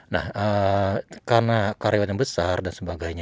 nah karena karyawan yang besar dan sebagainya